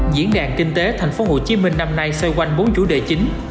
diễn đàn kinh tế tp hcm năm nay xoay quanh bốn chủ đề chính